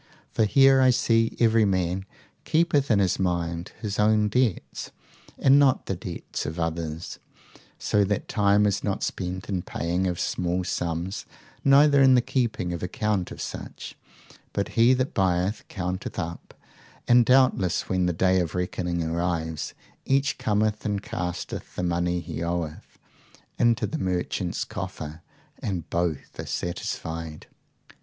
for here I see every man keepeth in his mind his own debts, and not the debts of others, so that time is not spent in paying of small sums, neither in the keeping of account of such; but he that buyeth counteth up, and doubtless when the day of reckoning arrives, each cometh and casteth the money he oweth into the merchant's coffer, and both are satisfied.